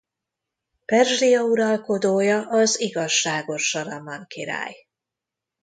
Perzsia uralkodója az igazságos Sharaman király.